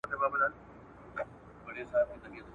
له باغلیو څخه ډک سول گودامونه `